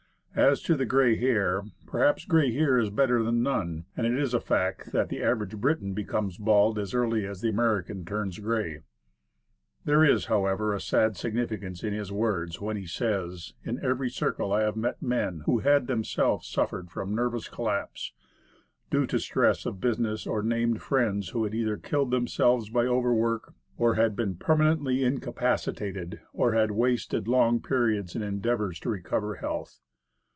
As to the gray hair perhaps gray hair is better than none; and it is a fact that the average Briton becomes bald as early as the American turns gray. There is, however, a sad significance in his words when he says, "In every circle I have met men who had themselves suffered from nervous collapse due to stress of business, or named friends who had either killed themselves by overwork, or had been permanently incapacitated, or had wasted long periods in endeavors to recover health."